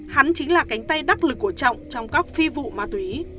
trong đó trùng đã đặt tay đắc lực của trọng trong các phi vụ ma túy